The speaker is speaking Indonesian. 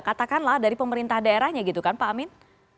katakanlah dari pemerintah daerahnya pak amin